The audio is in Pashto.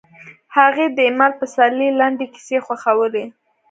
هغې د ایمل پسرلي لنډې کیسې خوښولې